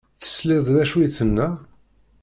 Tesliḍ d acu i d-tenna?